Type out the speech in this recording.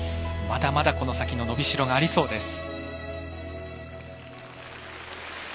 まだまだこの先の伸びしろがありそうです。